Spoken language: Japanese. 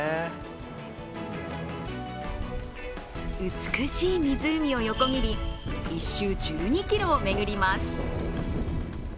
美しい湖を横切り１周１２ｋｍを巡ります。